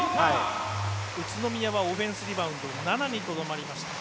宇都宮はオフェンスリバウンド７にとどまりました。